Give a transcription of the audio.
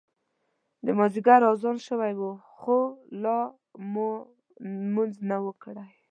د مازیګر اذان شوی و خو لا مو لمونځ نه و کړی.